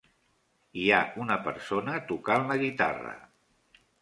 Hi ha una persona tocant la guitarra.